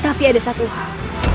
tapi ada satu hal